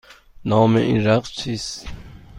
نام این رقص چیست؟